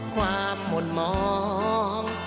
ความมนต์มอง